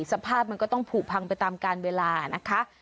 สภาพมันก็ต้องผูกพังไปตามการเวลานะคะ